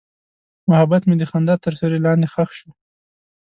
محبت مې د خندا تر سیوري لاندې ښخ شو.